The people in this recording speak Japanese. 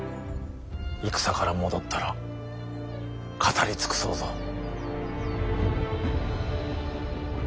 戦から戻ったら語り尽くそうぞ。